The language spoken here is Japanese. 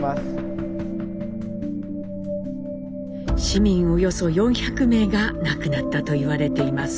市民およそ４００名が亡くなったと言われています。